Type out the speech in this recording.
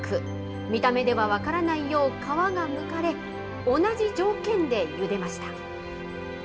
見た目では分からないよう皮がむかれ、同じ条件でゆでました。